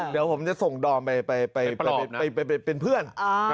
เดี๋ยวผมจะส่งดอมไปเป็นเพื่อน